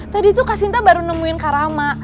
tadi tuh kak sinta baru nemuin karama